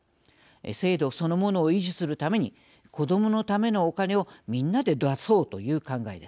制度そのものを維持するために子どものためのお金をみんなで出そうという考えです。